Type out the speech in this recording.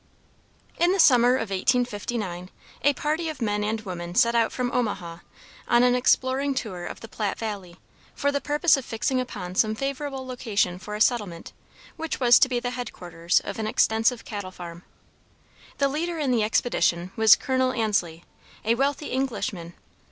In the summer of 1859 a party of men and women set out from Omaha, on an exploring tour of the Platte valley, for the purpose of fixing upon some favorable location for a settlement, which was to be the head quarters of an extensive cattle farm. The leader in the expedition was Col. Ansley, a wealthy Englishman.